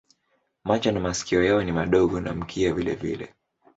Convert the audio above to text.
Macho na masikio yao ni madogo na mkia vilevile.